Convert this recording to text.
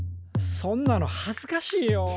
そんなの恥ずかしいよ。